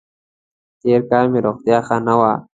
تېر کال مې روغتیا ښه نه وه